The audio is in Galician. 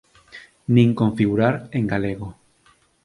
Nin configurar en galego.